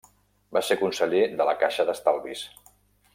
Va ser conseller de la Caixa d'Estalvis.